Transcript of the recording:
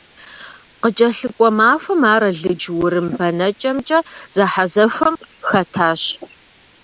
КъыкӀэлъыкӀуэ махуэм ар алыдж-урым бэнэкӀэмкӀэ зэхьэзэхуэм хэтащ.